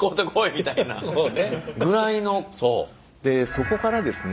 そこからですね